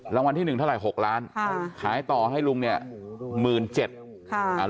รางวัลที่หนึ่งเท่าไหร่๖ล้านขายต่อให้ลุงเนี่ย๑๗๐๐๐บาท